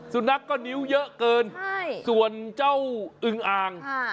สุนัขก็นิ้วเยอะเกินใช่ส่วนเจ้าอึงอ่าง